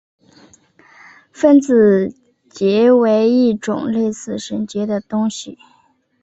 分子结为一种类似绳结的。